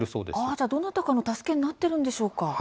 じゃあ、どなたかの助けになっているんでしょうか。